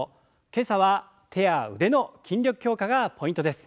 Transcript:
今朝は手や腕の筋力強化がポイントです。